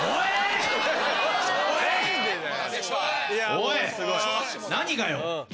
おい何がよ。